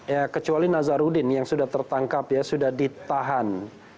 ya kecuali nazaruddin yang sudah tertangkap sudah ditahan